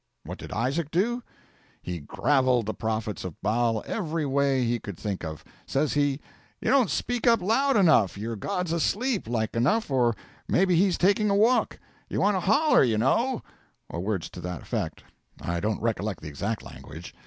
What did Isaac do? He graveled the prophets of Baal every way he could think of. Says he, "You don't speak up loud enough; your god's asleep, like enough, or may be he's taking a walk; you want to holler, you know," or words to that effect; I don't recollect the exact language.